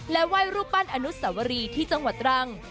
ไหว้รูปปั้นอนุสวรีที่จังหวัดตรัง